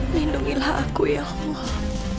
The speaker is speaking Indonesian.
mindungilah aku ya allah